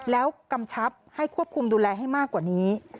แล้วกำชับให้ควบคุมดูแลให้มากกว่านี้